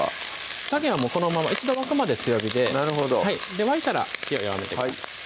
火加減はもうこのまま一度沸くまで強火でなるほど沸いたら火を弱めてください